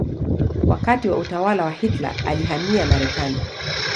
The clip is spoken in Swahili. Wakati wa utawala wa Hitler alihamia Marekani.